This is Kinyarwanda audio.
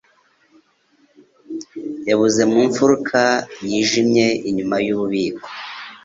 Yabuze mu mfuruka yijimye inyuma yububiko.